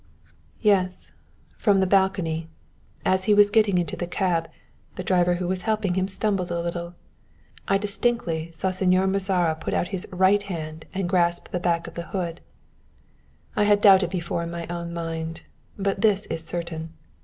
"Yes, from this balcony. As he was getting into the cab, the driver who was helping him stumbled a little. I distinctly saw Señor Mozara put out his right hand and grasp the back of the hood. I had doubted before in my own mind, but this is certain.